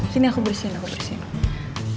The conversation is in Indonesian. sini aku bersihin aku bersihin